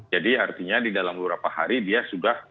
jadi artinya di dalam beberapa hari dia sudah